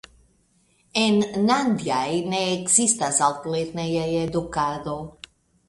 En Nandjaj ne ekzistas altlerneja edukado.